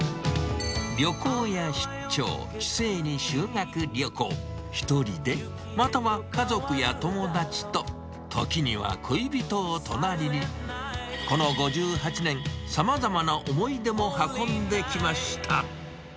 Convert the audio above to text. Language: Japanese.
旅行や出張、帰省に修学旅行、１人で、または家族や友達と、時には恋人を隣に、この５８年、さまざまな思い出も運んできました。